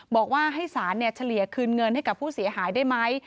บอกว่าให้สารเฉลี่ยคืนเงินให้กับผู้เสียหายได้ไหม